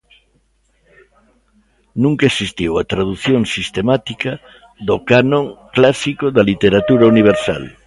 Nunca existiu a tradución sistemática do canon clásico da literatura universal.